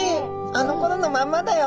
あのころのまんまだよ。